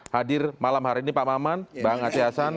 hadir malam hari ini pak maman bang ati hasan